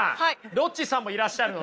ロッチさんもいらっしゃるので。